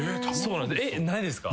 えっないですか？